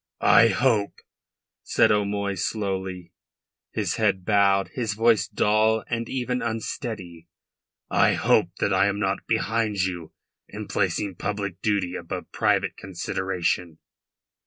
"I hope," said O'Moy slowly, his head bowed, his voice dull and even unsteady, "I hope that I am not behind you in placing public duty above private consideration.